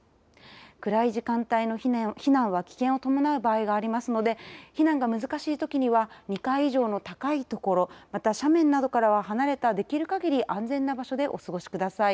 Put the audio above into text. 暗い時間帯の避難は危険を伴う場合がありますので避難が難しいときには２階以上の高いところ、また斜面などから離れたできるかぎり安全な場所でお過ごしください。